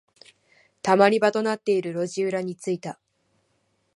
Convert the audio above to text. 溜まり場となっている路地裏に着いた。